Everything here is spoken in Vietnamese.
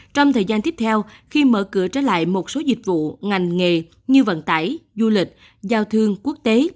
trong thời gian tiếp theo khi mở cửa trở lại một số dịch vụ ngành nghề như vận tải du lịch giao thương quốc tế